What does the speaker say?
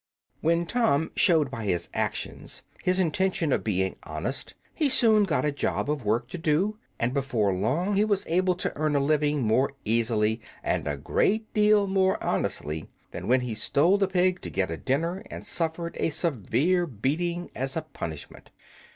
When Tom showed by his actions his intention of being honest he soon got a job of work to do, and before long he was able to earn a living more easily, and a great deal more honestly, than when he stole the pig to get a dinner and suffered a severe beating as a punishment.